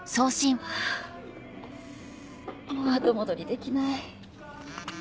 ハァもう後戻りできない。